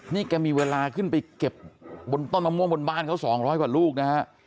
นี่แกมีเวลาขึ้นไปเก็บบนต้นมะม่วงบนบ้านเขา๒๐๐กว่าลูกนะฮะ